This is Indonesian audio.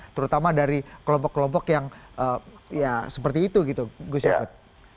terutama dari kelompok kelompok yang ya seperti itu gitu gus yahput